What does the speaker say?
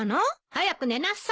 早く寝なさい。